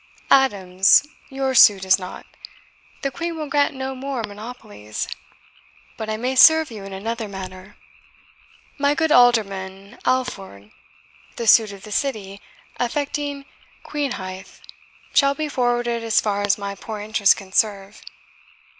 Adams, your suit is naught; the Queen will grant no more monopolies. But I may serve you in another matter. My good Alderman Aylford, the suit of the City, affecting Queenhithe, shall be forwarded as far as my poor interest can serve.